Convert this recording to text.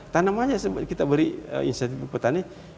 tanam aja kita beri insentif petani